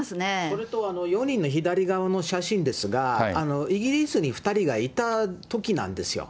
それと、４人の左側の写真ですが、イギリスに２人がいたときなんですよ。